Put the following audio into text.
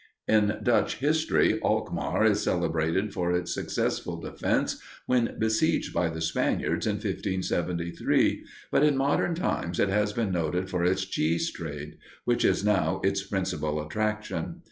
In Dutch history, Alkmaar is celebrated for its successful defense when besieged by the Spaniards in 1573, but in modern times it has been noted for its cheese trade, which is now its principal attraction.